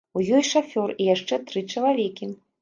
У ёй шафёр і яшчэ тры чалавекі.